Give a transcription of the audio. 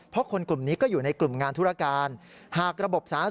เพราะคนกลุ่มนี้ก็อยู่ในกลุ่มงานธุรการ